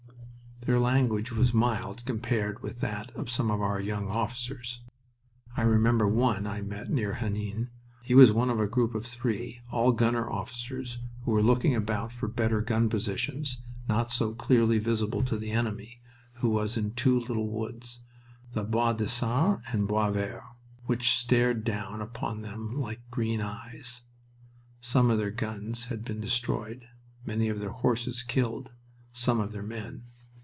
Their language was mild compared with that of some of our young officers. I remember one I met near Henin. He was one of a group of three, all gunner officers who were looking about for better gun positions not so clearly visible to the enemy, who was in two little woods the Bois de Sart and Bois Vert which stared down upon them like green eyes. Some of their guns had been destroyed, many of their horses killed; some of their men.